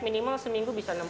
minimal seminggu bisa enam